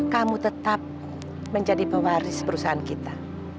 kamu tetap menjadi pewaris perusahaan kita